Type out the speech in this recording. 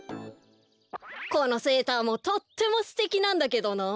このセーターもとってもすてきなんだけどなあ。